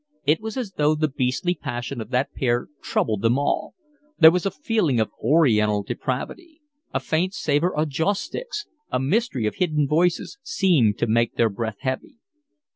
It was as though the beastly passion of that pair troubled them all; there was a feeling of Oriental depravity; a faint savour of joss sticks, a mystery of hidden vices, seemed to make their breath heavy.